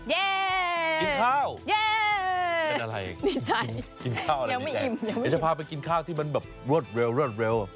เย่คิดข้าวเย่เป็นอะไรนี่ใจยังไม่อิ่มจะพาไปกินข้าวที่มันแบบรวดเร็วรวดเร็ว